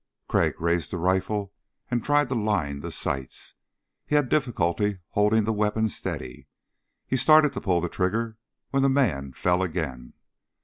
Crag raised the rifle and tried to line the sights. He had difficulty holding the weapon steady. He started to pull the trigger when the man fell again.